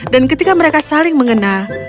dan ketika mereka saling mengenal